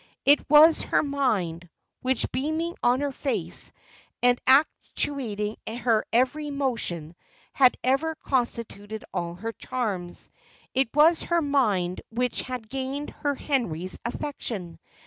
It was her mind, which beaming on her face, and actuating her every motion, had ever constituted all her charms: it was her mind which had gained her Henry's affection.